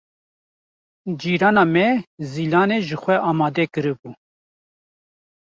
Cîrana me Zîlanê jî xwe amade kiribû.